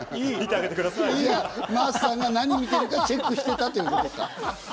真麻さんが何見てるかチェックしてたってことですか。